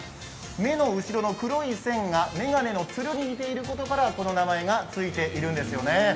目の後ろの黒い線がめがねのつるに似ていることからこの名前が付いているんですよね。